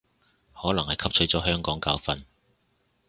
可能係汲取咗香港教訓